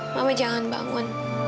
mama jangan bangun